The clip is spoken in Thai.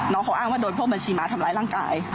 น้องเขาอ้างว่าโดนพวกบัญชีม้าทำร้ายร่างกาย